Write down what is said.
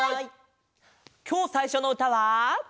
きょうさいしょのうたは。